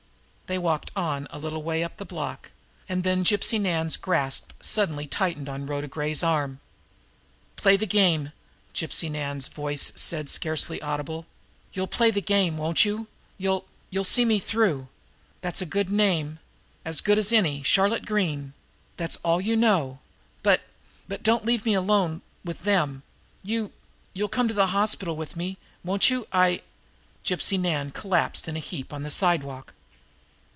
They walked on a little way up the block, and then Gypsy Nan's grasp suddenly tightened on Rhoda Gray's arm. "Play the game!" Gypsy Nan's voice was scarcely audible. "You'll play the game, won't you? You'll you'll see me through. That's a good name as good as any Charlotte Green that's all you know but but don't leave me alone with them you you'll come to the hospital with me, won't you I " Gypsy Nan had collapsed in a heap on the sidewalk.